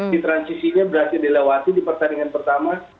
di transisinya berhasil dilewati di pertandingan pertama